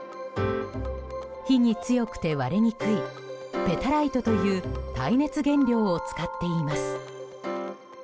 火に強くて割れにくいペタライトという耐熱原料を使っています。